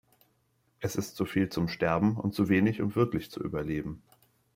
Es ist zu viel zum Sterben und zu wenig, um wirklich zu überleben.